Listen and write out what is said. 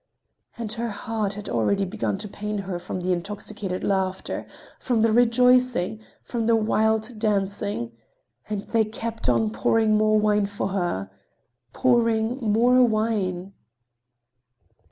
And her heart had already begun to pain her from her intoxicated laughter, from the rejoicing, from the wild dancing—and they kept on pouring more wine for her—pouring more wine!